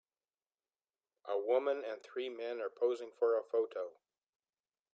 A woman and three men are posing for a photo